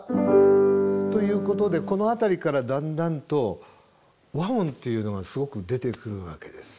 ということでこの辺りからだんだんと和音というのがすごく出てくるわけです。